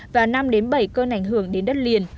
và năm bảy cơn ảnh hưởng đến đất liền